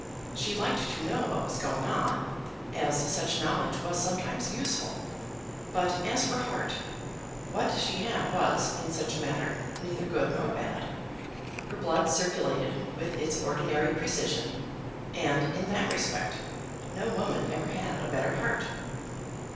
She liked to know what was going on, as such knowledge was sometimes useful; but, as for heart, what she had was, in such a matter, neither good nor bad. Her blood circulated with its ordinary precision, and, in that respect, no woman ever had a better heart.